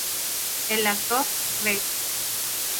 El actor Reg.